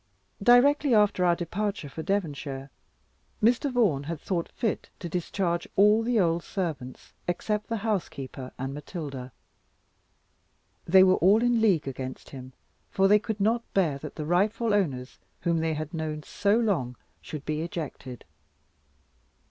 Directly after our departure for Devonshire, Mr. Vaughan had thought fit to discharge all the old servants, except the housekeeper and Matilda. They were all in league against him, for they could not bear that the "rightful owners," whom they had known so long, should be ejected.